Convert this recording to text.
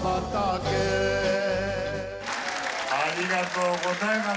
ありがとうございます。